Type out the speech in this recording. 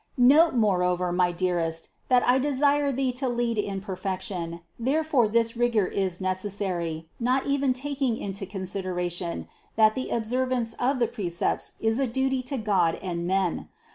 Note moreover, my dear 290 CITY OF GOD est, that I desire thee to lead in perfection ; therefore this rigor is necessary, not even taking into consideration, that the observance of the precepts is a duty to God and men.